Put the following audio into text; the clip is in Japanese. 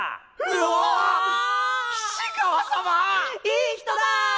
いい人だ！